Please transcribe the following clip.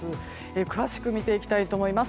詳しく見ていきたいと思います。